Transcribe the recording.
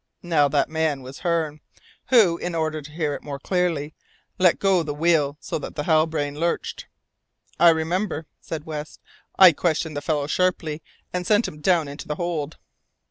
Now that man was Hearne, who, in order to hear it more clearly, let go the wheel, so that the Halbrane lurched " "I remember," said West. "I questioned the fellow sharply, and sent him down into the hold."